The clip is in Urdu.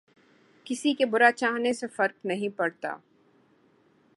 کســـی کے برا چاہنے سے فرق نہیں پڑتا